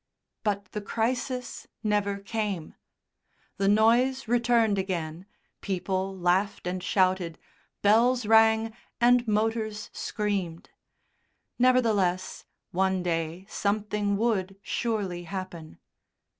But the crisis never came. The noise returned again, people laughed and shouted, bells rang and motors screamed. Nevertheless, one day something would surely happen.